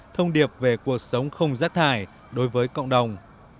thông điệp về cuộc sống không rác thải đối với cộng đồng